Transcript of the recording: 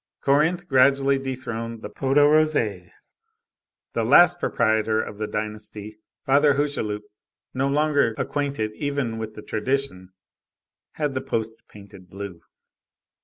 Corinthe gradually dethroned the Pot aux Roses. The last proprietor of the dynasty, Father Hucheloup, no longer acquainted even with the tradition, had the post painted blue.